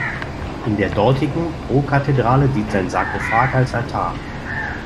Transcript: In der dortigen Prokathedrale dient sein Sarkophag als Altar.